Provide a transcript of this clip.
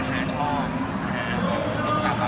ใช่ต้องบอกว่า